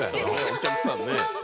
お客さんね。